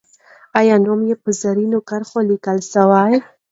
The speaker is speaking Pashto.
آیا نوم یې په زرینو کرښو لیکل سوی؟